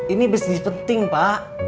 ini bisnis penting pak